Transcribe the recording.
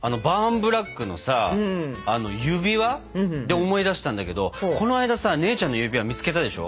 ブラックのさあの指輪で思い出したんだけどこの間さ姉ちゃんの指輪見つけたでしょ？